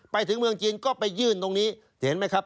ไปถึงเมืองจีนก็ไปยื่นตรงนี้เห็นไหมครับ